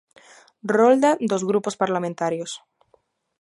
Rolda dos grupos parlamentarios.